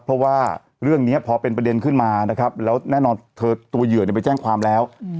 เพราะว่าเรื่องนี้พอเป็นประเด็นขึ้นมานะครับแล้วแน่นอนเธอตัวเหยื่อไปแจ้งความแล้ว